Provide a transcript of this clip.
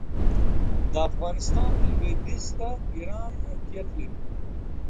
د افغانستان لوېدیځ ته ایران موقعیت لري.